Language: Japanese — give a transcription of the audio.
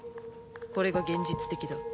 これが現実的だ。